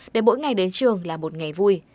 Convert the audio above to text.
để mỗi ngày đến trường là một ngày vui